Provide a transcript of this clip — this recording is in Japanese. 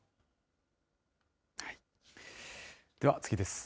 では次です。